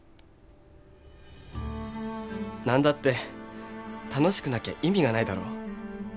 何だって楽しくなきゃ意味がないだろ？